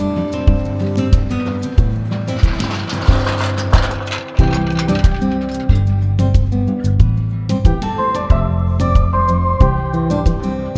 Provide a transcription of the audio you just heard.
udah mau buka